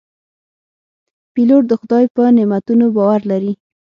پیلوټ د خدای په نعمتونو باور لري.